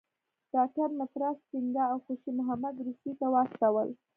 ډاکټر مترا سینګه او خوشي محمد روسیې ته واستول.